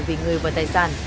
vì người và tài sản